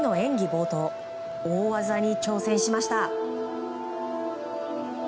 冒頭大技に挑戦しました。